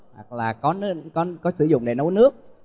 hoặc là có sử dụng để nấu nước